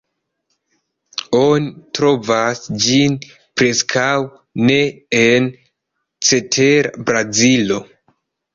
Oni trovas ĝin preskaŭ ne en cetera Brazilo.